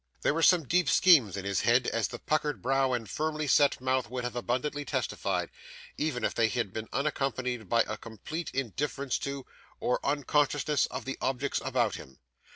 There were some deep schemes in his head, as the puckered brow and firmly set mouth would have abundantly testified, even if they had been unaccompanied by a complete indifference to, or unconsciousness of, the objects about him.